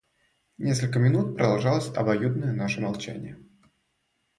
Несколько минут продолжалось обоюдное наше молчание.